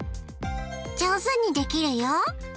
上手にできるよ。